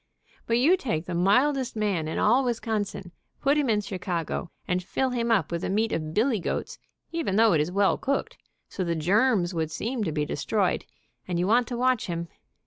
But you take the mildest man in all Wisconsin, put him in Chicago and fill him up with the meat of billy goats, even though it is well cooked, so the germs would seem to be destroyed, and you want to watch him.